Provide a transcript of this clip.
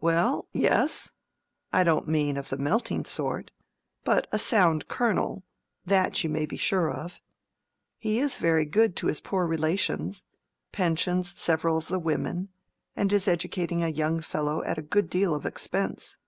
"Well, yes. I don't mean of the melting sort, but a sound kernel, that you may be sure of. He is very good to his poor relations: pensions several of the women, and is educating a young fellow at a good deal of expense.